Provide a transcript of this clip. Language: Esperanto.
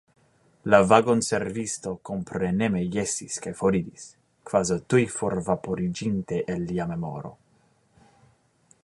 La vagonservisto kompreneme jesis kaj foriris, kvazaŭ tuj forvaporiĝinte el lia memoro.